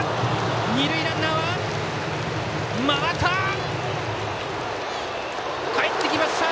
二塁ランナーは回った！